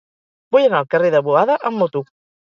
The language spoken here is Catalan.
Vull anar al carrer de Boada amb moto.